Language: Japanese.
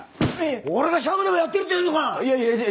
俺がシャブでもやってるっていうのか⁉いやいや！